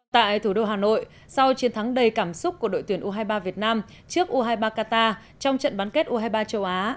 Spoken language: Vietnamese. tại thủ đô hà nội sau chiến thắng đầy cảm xúc của đội tuyển u hai mươi ba việt nam trước u hai mươi ba qatar trong trận bán kết u hai mươi ba châu á